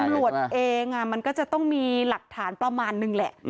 ตำรวจเองมันก็จะต้องมีหลักฐานประมาณนึงแหละ